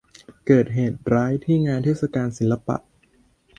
เกิดเหตุร้ายที่งานเทศกาลศิลปะ